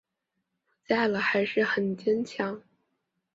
不在了还是很坚强